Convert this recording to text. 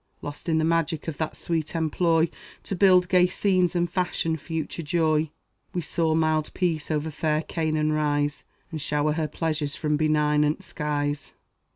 Lost in the magic of that sweet employ, To build gay scenes and fashion future joy, We saw mild Peace over fair Canaan rise, And shower her pleasures from benignant skies.